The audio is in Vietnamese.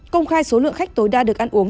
công khai số lượng khách tối đa được ăn uống